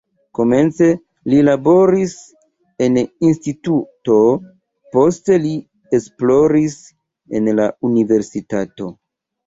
Komence li laboris en instituto, poste li esploris en la universitato.